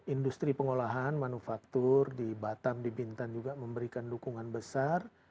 industri pengolahan manufaktur di batam di bintan juga memberikan dukungan besar